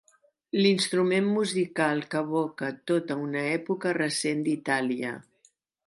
L'instrument musical que evoca tota una època recent d'Itàlia.